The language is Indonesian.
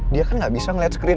dia kan gak bisa ngejar pangeran